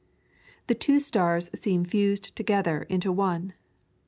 The two stars seem fused together into one.